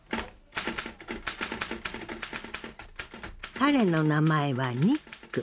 彼の名前はニック。